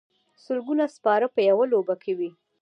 سلګونه سپاره په یوه لوبه کې وي.